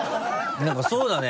なんかそうだね